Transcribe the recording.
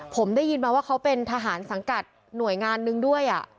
ผมได้ยินมาว่าเขาเป็นทหารสังกัดหน่วยงานหนึ่งด้วย